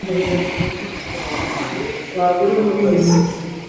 umutima w'impuhwe n'imbabazi